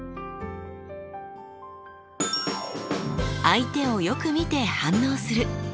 相手をよく見て反応する。